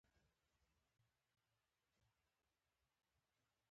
او شمال لوېدیځې صوبې ته ولاړل.